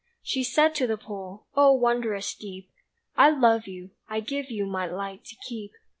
She said to the pool: "Oh, wondrous deep, I love you, I give you my light to keep.